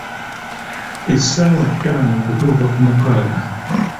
Essaawa ttaano okutuuka ku mukaaga.